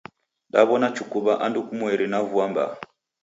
Daw'ona chukuw'a andu kumweri na vua mbaa.